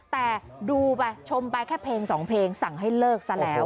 แต่ดูไปชมไปแค่เพลงสองเพลงสั่งให้เลิกซะแล้ว